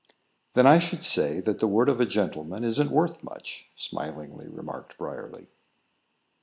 "Then I should say that the word of a gentleman isn't worth much," smilingly remarked Briarly.